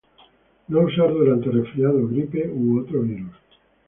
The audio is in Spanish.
No usar durante resfriado, gripe u otro virus.